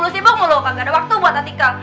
sibuk mulu dua kagak ada waktu buat tika